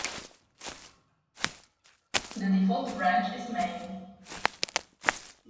The default branch is main